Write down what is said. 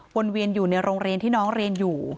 เวียนอยู่ในโรงเรียนที่น้องเรียนอยู่